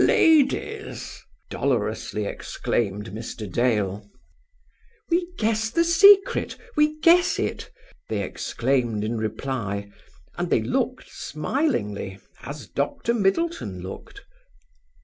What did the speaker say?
"Ladies!" dolorously exclaimed Mr. Dale. "We guess the secret, we guess it!" they exclaimed in reply; and they looked smilingly, as Dr. Middleton looked.